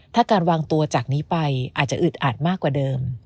ถ้าการวางตัวจากนี้ไปอาจจะอึดอัดมากกว่าเดิม